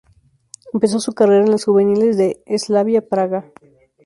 Empezó su carrera en las juveniles del Slavia Praga.